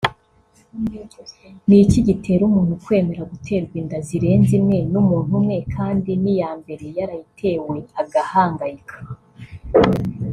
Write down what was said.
Ni iki gitera umuntu kwemera guterwa inda zirenze imwe n’umuntu umwe kandi n’iya mbere yarayitewe agahangayika